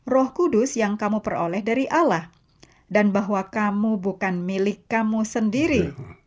roh kudus yang kamu peroleh dari allah dan bahwa kamu bukan milik kamu sendiri